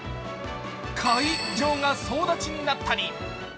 会場が総立ちになったり。